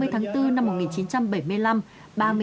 hai mươi tháng bốn năm một nghìn chín trăm bảy mươi năm